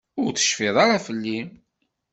Ur tecfiḍ ara fell-i?